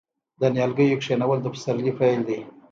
د نیالګیو کینول د پسرلي پیل دی.